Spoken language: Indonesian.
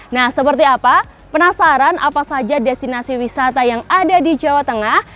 nah seperti apa penasaran apa saja destinasi wisata yang ada di jawa tengah